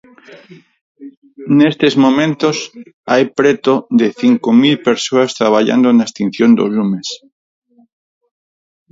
Nestes momentos hai preto de cinco mil persoas traballando na extinción dos lumes.